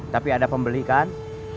tapi ada pembeli kan